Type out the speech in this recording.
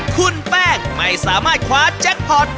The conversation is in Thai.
คุณแป้งไม่สามารถคว้าแจ็คพอร์ต